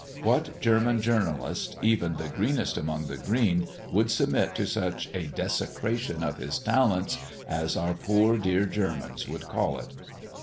What German journalist, even the greenest among the green, would submit to such a "desecration of his talents," as our poor dear Germans would call it.